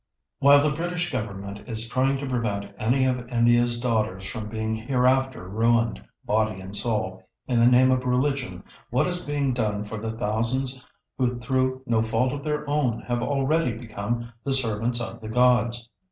While the British Government is trying to prevent any of India's daughters from being hereafter ruined, body and soul, in the name of religion, what is being done for the thousands who through no fault of their own have already become "the servants of the gods"?